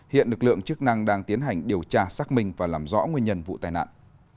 hiện lực lượng chức năng đang tiến hành điều tra xác minh và làm rõ nguyên nhân vụ tai nạn